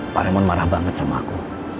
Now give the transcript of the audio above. pak remon marah banget sama aku